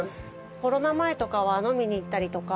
コロナ前とかは飲みに行ったりとか。